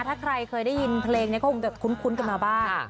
ถ้าใครเคยได้ยินเพลงนี้ก็คงจะคุ้นกันมาบ้าง